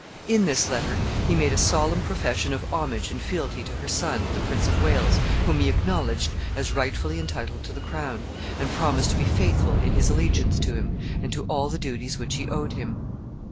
In this letter he made a solemn profession of homage and fealty to her son, the Prince of Wales, whom he acknowledged as rightfully entitled to the crown, and promised to be faithful in his allegiance to him, and to all the duties which he owed him.